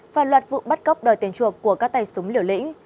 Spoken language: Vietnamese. và loạt vụ bắt cóc đòi tiền chuộc của các tay súng liều lĩnh